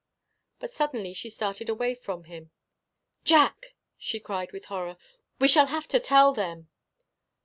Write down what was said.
But suddenly she started away from him. "Jack!" she cried, with horror, "we shall have to tell them!"